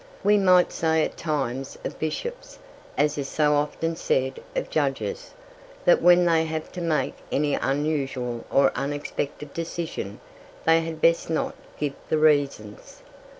We might say at times of bishops, as is so often said of judges, that when they have to make any unusual or unexpected decision they had best not give the reasons.